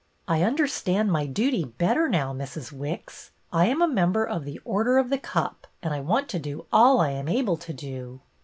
"I un derstand my duty better now, Mrs. Wicks. I am a member of the Order of The Cup and I want to do all I am able to do."